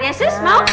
ya sus mau